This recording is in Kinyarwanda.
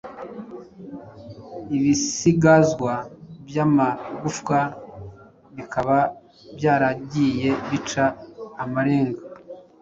ibisigazwa by'amagufa bikaba byaragiye bica amarenga